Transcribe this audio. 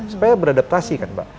supaya beradaptasi kan mbak